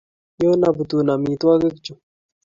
Nyon aputun amitwogik chu